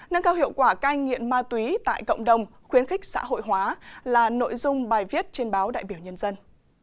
nâng cao hiệu quả cai nghiện ma túy tại cộng đồng khuyến khích xã hội hóa là nội dung bài viết trên báo đại biểu nhân dân